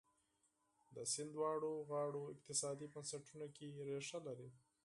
د سیند دواړو غاړو اقتصادي بنسټونو کې ریښه لري.